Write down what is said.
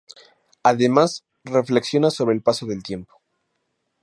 Además reflexiona sobre el paso del tiempo.